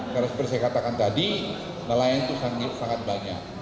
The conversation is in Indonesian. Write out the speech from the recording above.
karena seperti saya katakan tadi nelayan itu sangat banyak